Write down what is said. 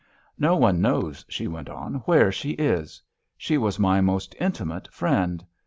"No one knows," she went on, "where she is. She was my most intimate friend.